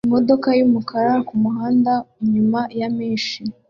Imodoka yumukara kumuhanda inyuma ya mesh